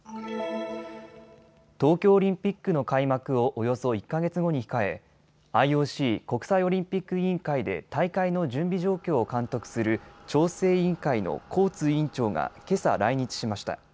東京オリンピックの開幕をおよそ１か月後に控え、ＩＯＣ・国際オリンピック委員会で大会の準備状況を監督する調整委員会のコーツ委員長がけさ、来日しました。